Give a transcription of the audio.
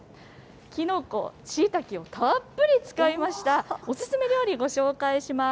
きのこ、しいたけをたっぷり使いましたお勧め料理、ご紹介します。